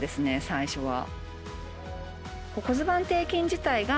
最初は。